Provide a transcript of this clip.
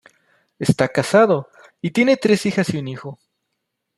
Está casado y tiene tres hijas y un hijo.